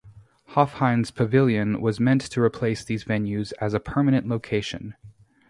Hofheinz Pavilion was meant to replace these venues as a permanent location.